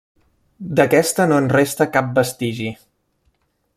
D'aquesta no en resta cap vestigi.